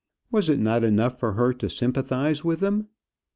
Was it not enough for her to sympathize with them?